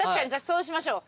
そうしましょう。